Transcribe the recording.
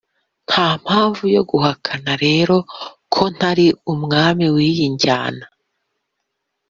nta mpamvu yo guhakana rero ko ntari umwami w’iyi njyana